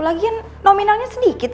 lagian nominalnya sedikit